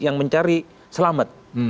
yang mencari selamat